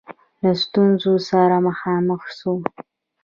له ستونزو سره مخامخ سوه.